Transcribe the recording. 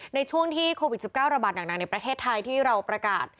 ในช่วงที่โควิด๑๙ระบาดหนักในประเทศไทยที่เราประกาศ